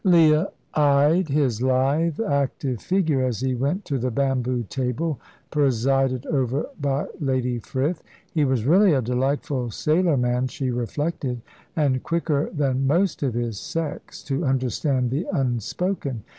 Leah eyed his lithe, active figure as he went to the bamboo table presided over by Lady Frith. He was really a delightful sailorman, she reflected, and quicker than most of his sex to understand the unspoken.